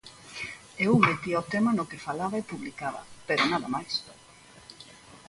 Eu metía o tema no que falaba e publicaba, pero nada máis.